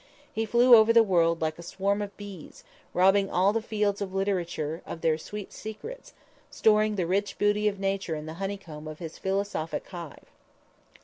He flew over the world like a swarm of bees, robbing all the fields of literature of their secret sweets, storing the rich booty of Nature in the honeycomb of his philosophic hive.